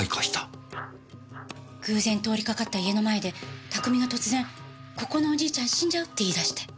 偶然通りかかった家の前で拓海が突然「ここのおじいちゃん死んじゃう」って言い出して。